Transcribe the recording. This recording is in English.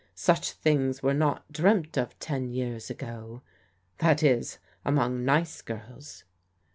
Such things were not dreamt of ten years ago — ^that is among nice girls."